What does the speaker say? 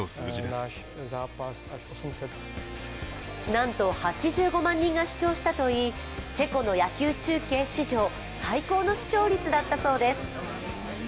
なんと８５万人が視聴したといい、チェコの野球中継史上最高の視聴率だったそうです。